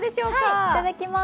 いただきます。